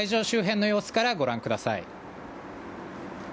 周辺の様子からご覧ください。